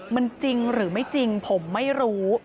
มันจริงหรือไม่จริงผมไม่รู้